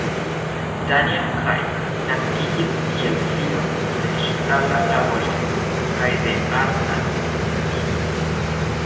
Daniel Craig naskiĝis kiel filo de ŝtala laboristo kaj de arta instruistino.